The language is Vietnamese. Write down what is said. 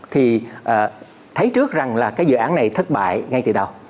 thì thấy trước rằng là cái dự án này thất bại ngay từ đầu